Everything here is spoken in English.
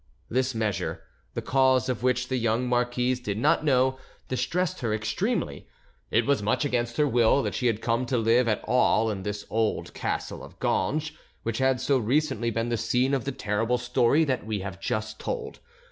This measure, the cause of which the young marquise did not know, distressed her extremely. It was much against her will that she had come to live at all in this old castle of Ganges, which had so recently been the scene of the terrible story that we have just told.